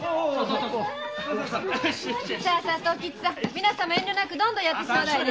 皆さんも遠慮なくどんどんやってくださいね。